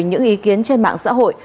những ý kiến trên mạng xã hội